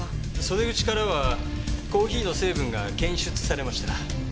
袖口からはコーヒーの成分が検出されました。